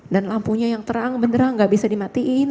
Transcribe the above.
dan lampunya yang terang beneran gak bisa dimatiin